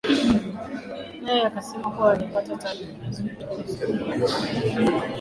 naye akasema kuwa hajapata taarifa rasmi kutoka serikali ya kigali